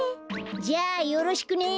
じゃあよろしくね。